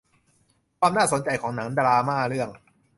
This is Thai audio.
ความน่าสนใจของหนังดราม่าเรื่อง